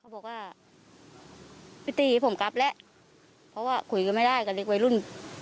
บอกว่าพี่ตีผมกลับแล้วเพราะว่าคุยกันไม่ได้กับเด็กวัยรุ่น